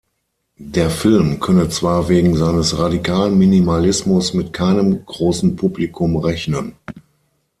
Der Film könne zwar wegen seines radikalen Minimalismus mit keinem großen Publikum rechnen.